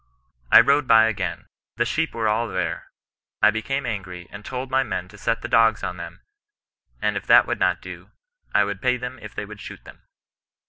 I rode by again — the sheep were all there — I became angry, and told my men to set the dogs on them, and if that would not do, I would pay them if they would shoot them.